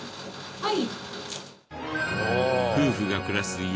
はい。